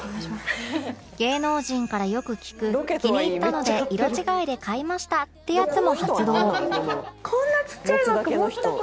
芸能人からよく聞く気に入ったので色違いで買いましたってやつも発動